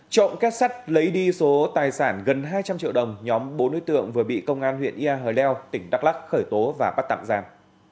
trộm kết sắt lấy đi số tài sản gần hai trăm linh triệu đồng nhóm bốn đối tượng vừa bị công an huyện ia hờ leo tỉnh đắk lắc khởi tố và bắt tạm giam